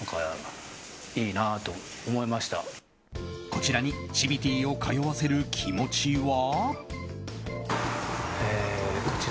こちらにチビティを通わせる気持ちは？